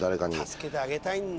助けてあげたいんだ。